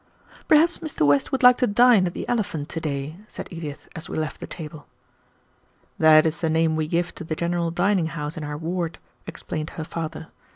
"Perhaps Mr. West would like to dine at the Elephant to day," said Edith, as we left the table. "That is the name we give to the general dining house in our ward," explained her father.